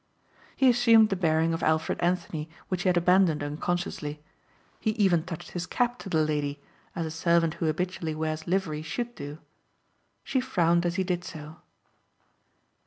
He assumed the bearing of Alfred Anthony which he had abandoned unconsciously. He even touched his cap to the lady as a servant who habitually wears livery should do. She frowned as he did so.